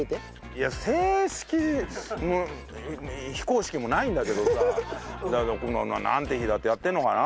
いや正式非公式もないんだけどさだから「なんて日だ！」ってやってるのかな？